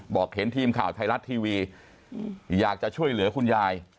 เห็นทีมข่าวไทยรัฐทีวีอยากจะช่วยเหลือคุณยาย